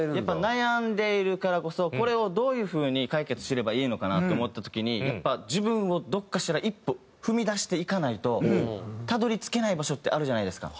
悩んでいるからこそこれをどういう風に解決すればいいのかなと思った時にやっぱ自分をどこかしら一歩踏み出していかないとたどり着けない場所ってあるじゃないですか。